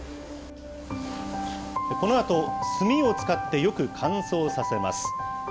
このあと、炭を使ってよく乾燥させます。